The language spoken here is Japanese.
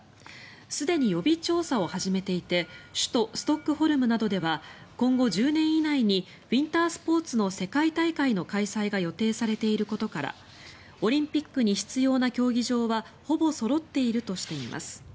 すでに予備調査を始めていて首都ストックホルムなどでは今後１０年以内にウィンタースポーツの世界大会の開催が予定されていることからオリンピックに必要な競技場はほぼそろっているとしています。